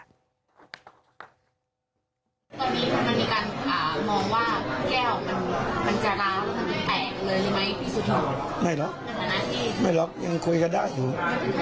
ตอนนี้คุณบรรยาการมองว่าแก้วมันจะล้างแปลกเลยหรือไม่พี่สุธร